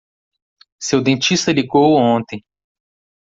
Seu dentista ligou ontem.